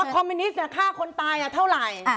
มันมีการสังหาร